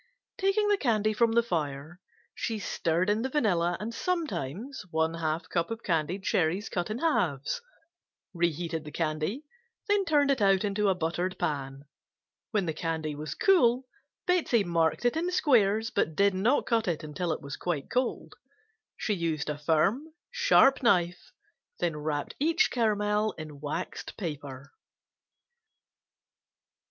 Taking the candy from the fire, she stirred in the vanilla and sometimes one half cup of candied cherries cut in halves, reheated the candy, then turned into a buttered pan. When the candy was cool Betsey marked it in squares but did not cut it until it was quite cold. She used a firm, sharp knife, then wrapped each caramel in waxed paper.